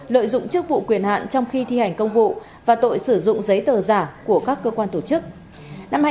lợi dụng chức vụ quyền hạn trong khi thi hành công vụ và tội sử dụng giấy tờ giả của các cơ quan tổ chức